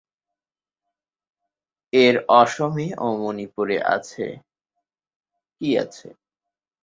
এর অসমে ও মণিপুরে আছে।